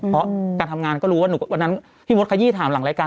เพราะการทำงานก็รู้ว่าวันนั้นพี่มดขยี้ถามหลังรายการ